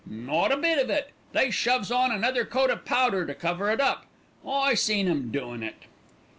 Not a bit of it; they shoves on another coat of powder to cover it up. I seen 'em doin' it."